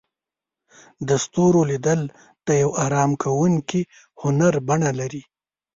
د ستورو لیدل د یو آرام کوونکي هنر بڼه لري.